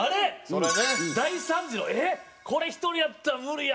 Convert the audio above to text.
大賛辞の「えっこれ１人やったら無理やわ」